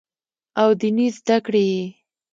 او ديني زدکړې ئې